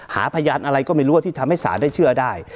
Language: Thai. หาพยานอะไรก็ไม่รู้ว่าที่ทำให้ศาลได้เชื่อได้